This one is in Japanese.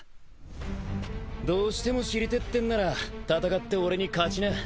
どうしても知りてえってんなら戦って俺に勝ちな。